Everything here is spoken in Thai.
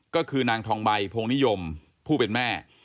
ก็คือนางทองใบพงนิยมผู้เป็นแม่